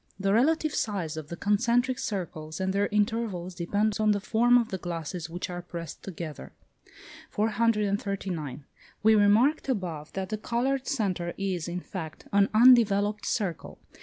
The relative size of the concentric circles and their intervals depends on the form of the glasses which are pressed together. 439. We remarked above, that the coloured centre is, in fact, an undeveloped circle.